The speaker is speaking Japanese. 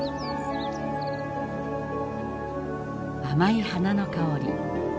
甘い花の香り